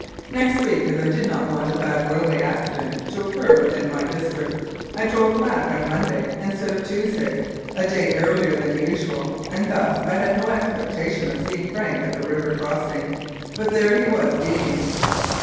Next week, as I did not want a bad railway accident to occur within my district, I drove back on Monday, instead of Tues day, a day earlier than usual, and thus I had no ex pectation of seeing Frank at the river crossing, but there he was, beaming.